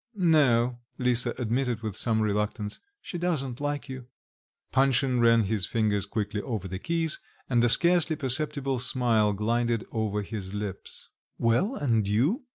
"No," Lisa admitted with some reluctance, "she doesn't like you." Panshin ran his fingers quickly over the keys, and a scarcely perceptible smile glided over his lips. "Well, and you?"